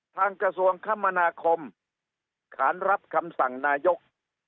กระทรวงคมนาคมขานรับคำสั่งนายก